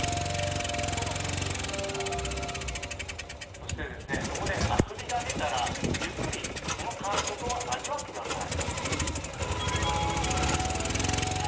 そしてですね、そこであくびが出たら、ゆっくりその感触を味わってください。